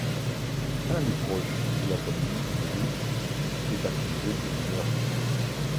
Un ami proche de la famille Drew est accusé de meurtre.